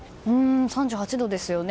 ３８度ですよね